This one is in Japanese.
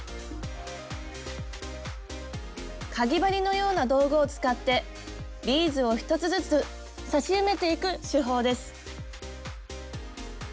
かぎ針のような道具を使ってビーズを１つずつ刺し埋めていく手法です。